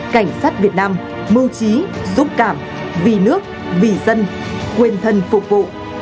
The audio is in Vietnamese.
cảnh sát việt nam mưu trí dũng cảm vì nước vì dân quên thân phục vụ